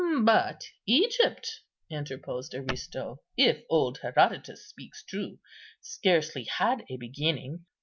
"But Egypt," interposed Aristo, "if old Herodotus speaks true, scarcely had a beginning.